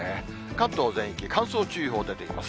関東全域、乾燥注意報出ています。